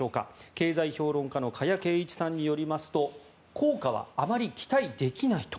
経済評論家の加谷珪一さんによりますと効果はあまり期待できないと。